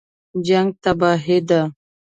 جنګ تباهي ده